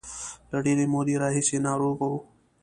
له ډېرې مودې راهیسې ناروغه و.